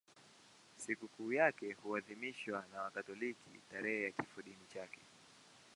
Sikukuu yake huadhimishwa na Wakatoliki tarehe ya kifodini chake.